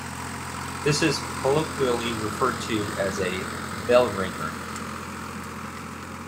This is colloquially referred to as a "bell ringer".